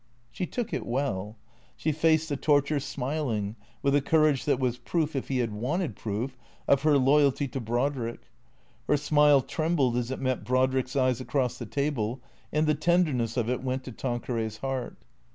She took it well. She faced the torture smiling, with a cour age that was proof, if he had wanted proof, of her loyalty to Brodrick. Her smile trembled as it met Brodrick's eyes across the table, and the tenderness of it went to Tanqueray's heart.